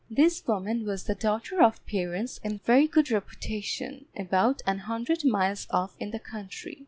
This woman was the daughter of parents in very good reputation, about an hundred miles off in the country.